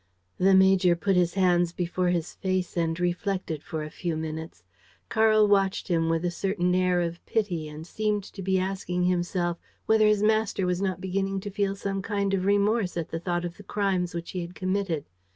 The major put his hands before his face and reflected for a few minutes. Karl watched him with a certain air of pity and seemed to be asking himself whether his master was not beginning to feel some kind of remorse at the thought of the crimes which he had committed.